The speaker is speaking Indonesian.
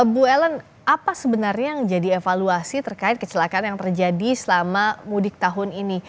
bu ellen apa sebenarnya yang jadi evaluasi terkait kecelakaan yang terjadi selama mudik tahun ini